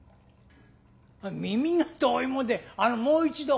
耳が遠いもんであのもう一度。